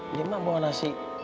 ini mak buah nasi